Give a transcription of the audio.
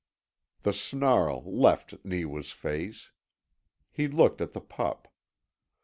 The snarl left Neewa's face. He looked at the pup.